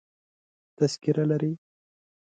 تذکره لرې؟